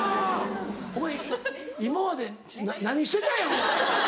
おい今まで何してたんやお前。